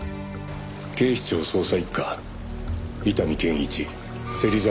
「警視庁捜査一課伊丹憲一芹沢